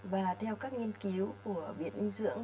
và theo các nghiên cứu của biện dinh dưỡng